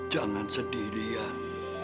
jangan sedih lian